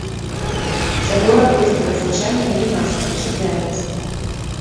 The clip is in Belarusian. Сцябло рабрыстае, звычайна галінастае, чапляецца.